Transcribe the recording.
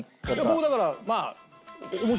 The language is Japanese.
僕もだからまあ。